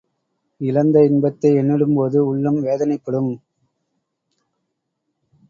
இழந்த இன்பத்தை எண்ணிடும்போது உள்ளம் வேதனைப்படும்.